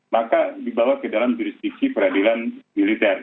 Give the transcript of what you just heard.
maka dibawa ke dalam jurisdiksi peradilan militer